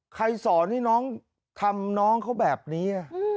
สอนให้น้องทำน้องเขาแบบนี้